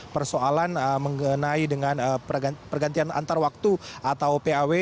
persoalan mengenai dengan pergantian antar waktu atau paw